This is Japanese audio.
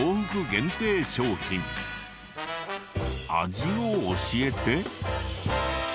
味を教えて。